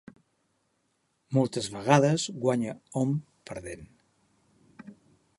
Moltes vegades guanya hom perdent.